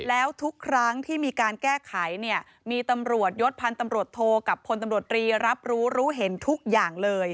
แล้วทุกครั้งที่มีการแก้ไขเนี่ยมีตำรวจยศพันธ์ตำรวจโทกับพลตำรวจรีรับรู้รู้เห็นทุกอย่างเลย